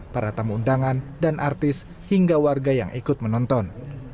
para tamu undangan dan artis hingga warga yang ikut menonton